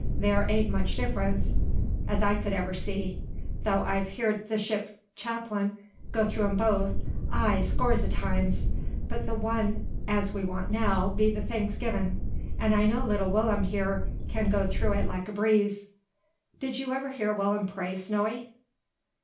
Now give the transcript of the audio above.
Thear ain't much difference, as I could ever see; tho' I've heerd the ship's chaplain go through 'em both, ay, scores o' times; but the one as we want now be the thanksgivin'; an' I know little Will'm here can go through it like a breeze. Did you ever hear Will'm pray, Snowy?"